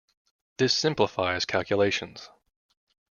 This simplifies calculations.